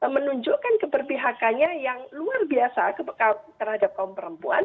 menunjukkan keberpihakannya yang luar biasa terhadap kaum perempuan